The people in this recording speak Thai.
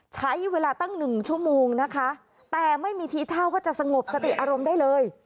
ใช้เวลาตั้งหนึ่งชั่วโมงนะคะแต่ไม่มีทีท่าว่าจะสงบสติอารมณ์ได้เลย